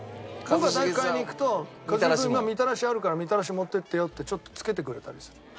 僕が大福買いに行くと一茂君みたらしあるからみたらし持っていってよってちょっと付けてくれたりする。